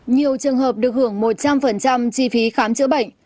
nhiều trường hợp được hưởng một trăm linh chi phí khám chữa bệnh